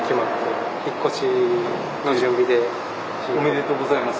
おめでとうございます。